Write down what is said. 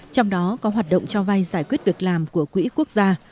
trong đó có hoạt động cho vay giải quyết việc làm của quỹ quốc gia